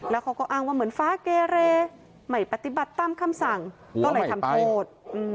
แล้วเขาก็อ้างว่าเหมือนฟ้าเกเรไม่ปฏิบัติตามคำสั่งก็เลยทำโทษ